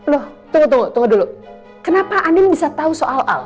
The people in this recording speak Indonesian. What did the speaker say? loh tunggu tunggu dulu kenapa andin bisa tau soal al